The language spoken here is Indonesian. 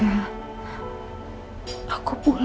yuk yuk yuk